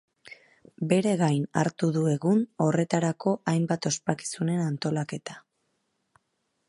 Bere gain hartu du egun horretako hainbat ospakizunen antolaketa.